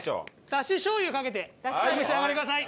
だししょうゆをかけてお召し上がりください。